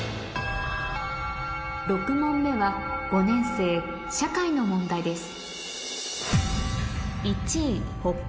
６問目は５年生社会の問題です